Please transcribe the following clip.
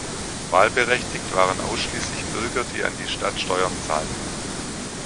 Wahlberechtigt waren ausschließlich Bürger, die an die Stadt Steuern zahlten.